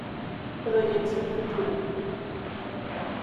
Proyección futura.